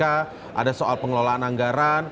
ada soal pengelolaan anggaran